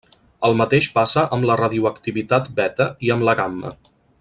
El mateix passa amb la radioactivitat beta i amb la gamma.